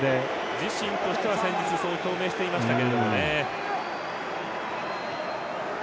自身としては先日、そう表明していましたが。